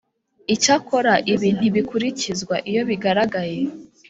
icyakora ibi ntibikurikizwa iyo bigaragaye